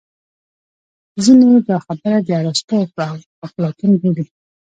ځینې دا خبره د ارستو او اپلاتون بولي